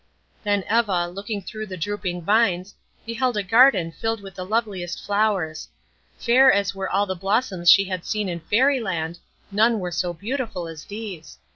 Then Eva, looking through the drooping vines, beheld a garden filled with the loveliest flowers; fair as were all the blossoms she had seen in Fairy Land, none were so beautiful as these.